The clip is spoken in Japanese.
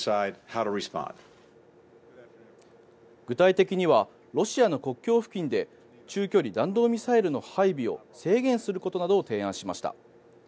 具体的にはロシアの国境付近で中距離弾道ミサイルの配備を制限することなどを提案しました。